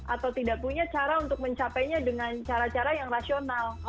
atau tidak punya cara untuk mencapainya dengan cara cara yang rasional